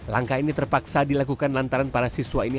langkah ini terpaksa dilakukan lantaran para siswa ini